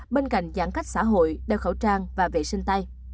bên cạnh giãn cách xã hội đeo khẩu trang và vệ sinh tay